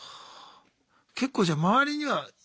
結構じゃあ周りにはいますか？